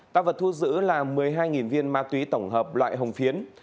tăng vật thu giữ là một mươi hai viên ma túy tổng hợp loại hồng phiến